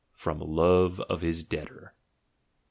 from love of his debtor! .